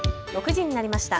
６時になりました。